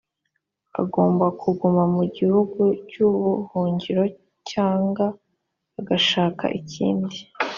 agomba kuguma mu gihugu cy’ubuhungiro cyanga agashaka ikindi